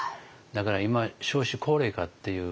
だから今少子高齢化っていう